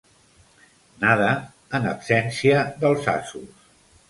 Nada en absència dels asos.